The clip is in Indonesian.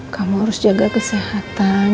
kamu harus jaga kesehatan